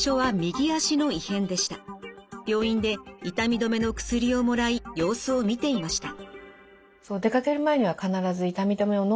病院で痛み止めの薬をもらい様子を見ていました。